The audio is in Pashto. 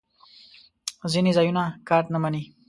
ځینې ځایونه کارت نه منی